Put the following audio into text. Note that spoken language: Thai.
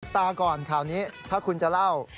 ตาก่อนข่าวนี้ถ้าคุณจะเล่า